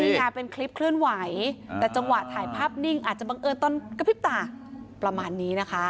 นี่ไงเป็นคลิปเคลื่อนไหวแต่จังหวะถ่ายภาพนิ่งอาจจะบังเอิญตอนกระพริบตาประมาณนี้นะคะ